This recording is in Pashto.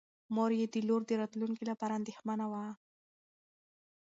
مور یې د لور د راتلونکي لپاره اندېښمنه وه.